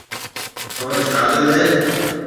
ٿُون شاگرِيد هيَ۔